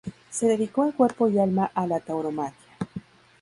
Se dedicó en cuerpo y alma a la Tauromaquia.